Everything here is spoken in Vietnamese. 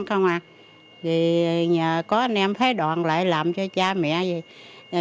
thì có anh em phái đoàn lại làm cho cha mẹ